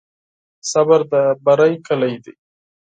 صبر د بری کلي ده.